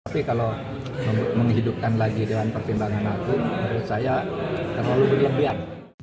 tapi kalau menghidupkan lagi dengan pertimbangan hakim menurut saya terlalu berlebihan